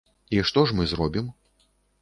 І што ж мы зробім?